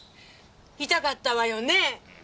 痛かったわよねえ。